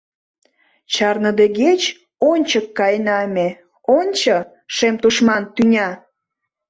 Чарныдегеч, ончык Каена ме, ончо, Шем тушман тӱня.